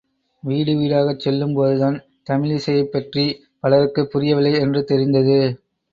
வீடு வீடாகச் செல்லும்போதுதான் தமிழிசையைப் பற்றி பலருக்கு புரியவில்லை என்று தெரிந்தது.